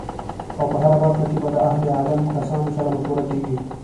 او په هره برخه کی به د اهل علم کسانو سره مشوره کیږی